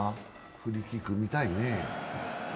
フリーキック見たいね。